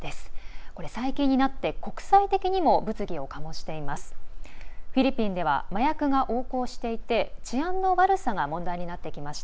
最近になって国際的にも物議を醸しています。